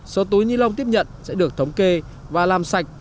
số túi ni lông tiếp nhận sẽ được thống kê và làm sạch